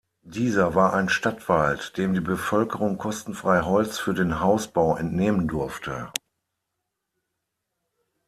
Dieser war ein Stadtwald, dem die Bevölkerung kostenfrei Holz für den Hausbau entnehmen durfte.